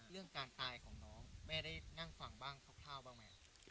เรื่องการตายของน้องแม่ได้นั่งฟังบ้างคร่าวบ้างไหม